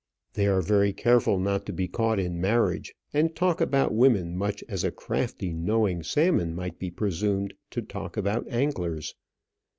They are very careful not to be caught in marriage, and talk about women much as a crafty knowing salmon might be presumed to talk about anglers.